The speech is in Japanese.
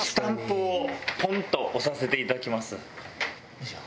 よいしょ。